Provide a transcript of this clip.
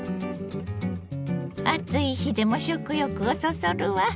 暑い日でも食欲をそそるわ。